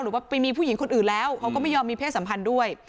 หรือว่าไปมีผู้หญิงคนอื่นแล้วเขาก็ไม่ยอมมีเพศสัมพันธ์ด้วย